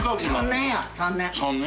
３年や３年。